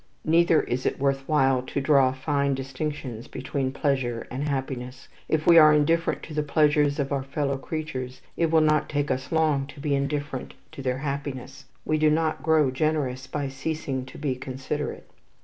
Neither is it worth while to draw fine distinctions between pleasure and happiness. If we are indifferent to the pleasures of our fellow creatures, it will not take us long to be indifferent to their happiness. We do not grow generous by ceasing to be considerate.